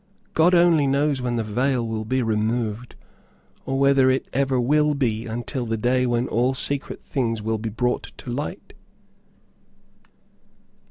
God only knows when the veil will be removed, or whether it ever will be until the day when all secret things will be brought to light.